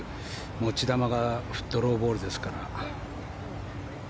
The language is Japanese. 持ち球がドローボールですから。